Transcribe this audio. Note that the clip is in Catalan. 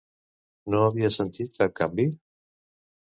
No havia sentit cap canvi?